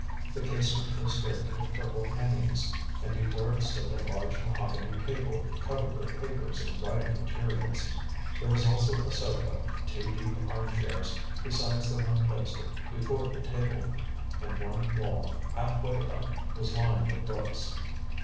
The casement was draped with purple hangings, and before it stood a large mahogany table, covered with papers and writing materials. There was also a sofa, two deep arm chairs, besides the one placed before the table, and one wall half way up was lined with books.